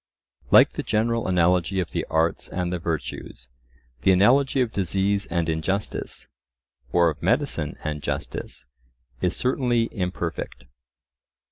Like the general analogy of the arts and the virtues, the analogy of disease and injustice, or of medicine and justice, is certainly imperfect.